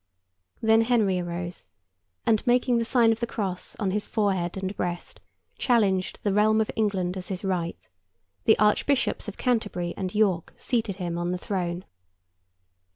Then Henry arose, and, making the sign of the cross on his forehead and breast, challenged the realm of England as his right; the archbishops of Canterbury and York seated him on the throne.